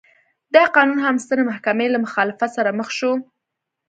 دا قانون هم د سترې محکمې له مخالفت سره مخ شو.